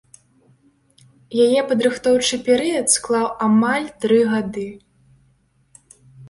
Яе падрыхтоўчы перыяд склаў амаль тры гады.